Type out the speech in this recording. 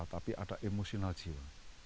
tapi ada emosional jiwa